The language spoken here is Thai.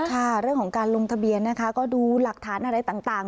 ค่ะเรื่องของการลงทะเบียนนะคะก็ดูหลักฐานอะไรต่าง